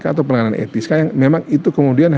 atau pelanggaran etis karena memang itu kemudian